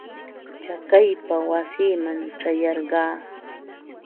Chakaypa wasiiman ćhayarqaa.